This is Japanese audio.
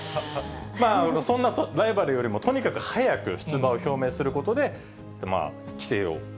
そんなライバルよりもとにかく早く出馬を表明することで、きせいを。